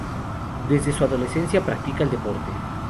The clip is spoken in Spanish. Desde su adolescencia practica el deporte.